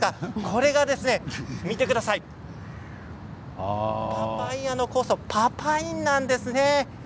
これがパパイアの酵素パパインなんですね。